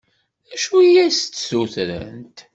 D acu i as-d-ssutrent?